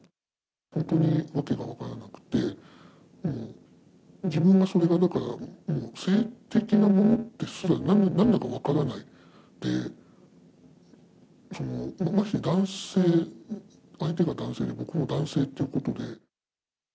本当に訳が分からなくて、もう自分がそれがだから、もう性的なものってことすらなんだか分からないので、まして男性、相手が男性で僕も男性っていうことで。